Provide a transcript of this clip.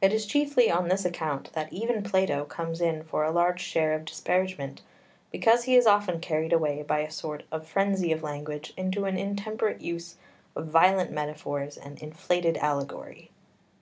It is chiefly on this account that even Plato comes in for a large share of disparagement, because he is often carried away by a sort of frenzy of language into an intemperate use of violent metaphors and inflated allegory.